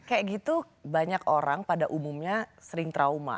kayak gitu banyak orang pada umumnya sering trauma